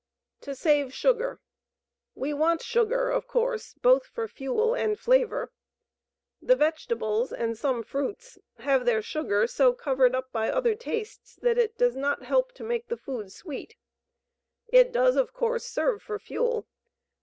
To Save Sugar. We want sugar, of course, both for fuel and flavor. The vegetables and some fruits have their sugar so covered up by other tastes that it does not help to make the food sweet. It does, of course, serve for fuel.